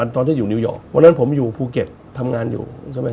ตอนที่อยู่นิวยอร์กวันนั้นผมอยู่ภูเก็ตทำงานอยู่ใช่ไหม